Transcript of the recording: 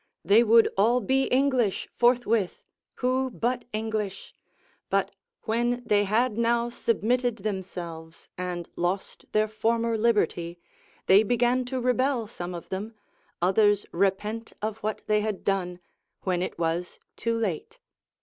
They would all be English forthwith; who but English! but when they had now submitted themselves, and lost their former liberty, they began to rebel some of them, others repent of what they had done, when it was too late.